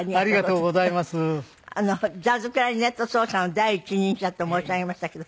ジャズクラリネット奏者の第一人者と申し上げましたけど。